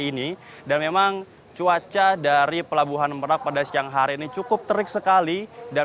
masih terpantau aman karena memang sebanyak satu delapan ratus personil gabungan